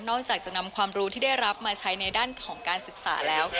จากจะนำความรู้ที่ได้รับมาใช้ในด้านของการศึกษาแล้ว